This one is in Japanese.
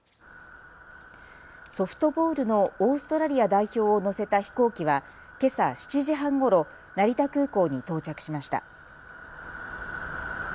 ソフトボールのオーストラリア代表を乗せた飛行機はけさ７時半ごろ、成田空港に到着しました。